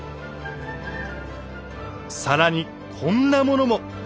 更にこんなものも。